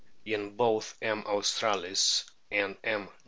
In both M. aitstralis and M.